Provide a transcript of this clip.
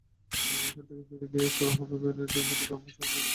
এখান থেকে ফিরে গিয়ে শুরু হবে বেনেডিক্ট কাম্বারব্যাচ অভিনীত ডক্টর স্ট্রেঞ্জ-এর কাজ।